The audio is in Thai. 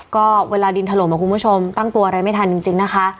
ก็เวลาดินถล่มคุณผู้ชมตั้งตัวอะไรไม่ทันจริงนะคะ